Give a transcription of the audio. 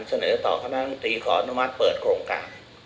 เสนอต่อคณะมนตรีขออนุมัติเปิดโครงการ